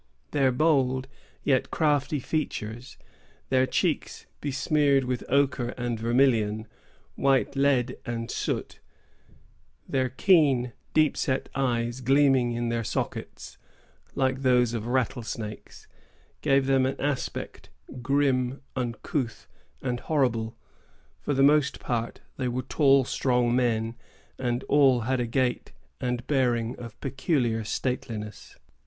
Their bold yet crafty features, their cheeks besmeared with ochre and vermilion, white lead and soot, their keen, deep set eyes gleaming in their sockets, like those of rattlesnakes, gave them an aspect grim, uncouth, and horrible. For the most part, they were tall, strong men, and all had a gait and bearing of peculiar stateliness.